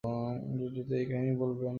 রেডিওতে এই কাহিনী বলবে না?